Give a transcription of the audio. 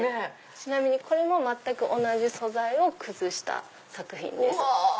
ちなみにこれも全く同じ素材を崩した作品です。